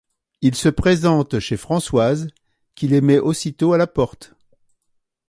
Ils se présentent chez Françoise qui les met aussitôt à la porte.